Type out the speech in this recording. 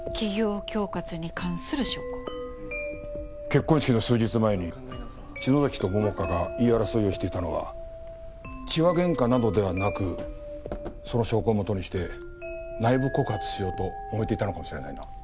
結婚式の数日前に篠崎と桃花が言い争いをしていたのは痴話ゲンカなどではなくその証拠をもとにして内部告発しようともめていたのかもしれないな。